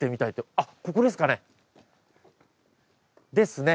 あっここですかね。ですね。